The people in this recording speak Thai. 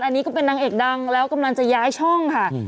อันนี้ก็เป็นนางเอกดังแล้วกำลังจะย้ายช่องค่ะ